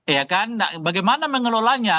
ya kan bagaimana mengelolanya